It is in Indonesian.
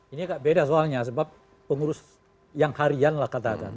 ini agak beda soalnya sebab pengurus yang harian lah katakan